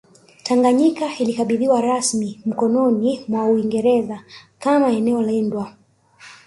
Tanganyika ilikabidhiwa rasmi mikononi mwa Uingereza kama eneo lindwa